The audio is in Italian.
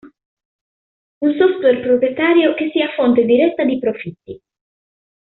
Un software proprietario che sia fonte diretta di profitti.